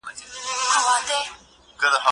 زه به اوږده موده مځکي ته کتلې وم!